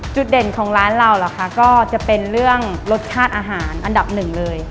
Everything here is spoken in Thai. จุดเด่นของร้านเราเหรอคะก็จะเป็นเรื่องรสชาติอาหารอันดับหนึ่งเลย